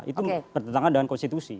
itu bertentangan dengan konstitusi